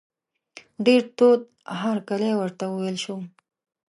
ډېر تود هرکلی ورته وویل شو.